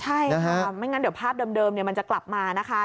ใช่ค่ะไม่งั้นเดี๋ยวภาพเดิมมันจะกลับมานะคะ